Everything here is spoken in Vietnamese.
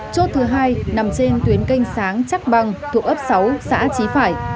chốt thứ hai nằm trên tuyến kênh sáng chắc băng thuộc ấp sáu xã chí phải